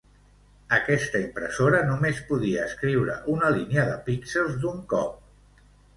Aquesta impressora només podia escriure una línia de píxels d'un cop.